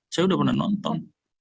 saya udah pernah nonton